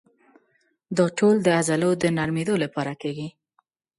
دا ټول د عضلو د نرمېدو لپاره کېږي.